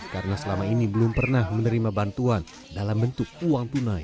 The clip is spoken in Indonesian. karena selama ini belum pernah menerima bantuan dalam bentuk uang tunai